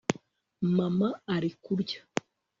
mama ari kurya